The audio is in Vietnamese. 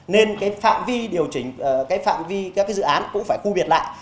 nên cái phạm vi điều chỉnh cái phạm vi các cái dự án cũng phải khu biệt lại